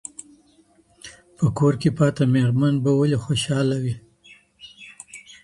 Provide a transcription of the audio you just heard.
په کور کي پاته ميرمن به ولي خوشاله وي؟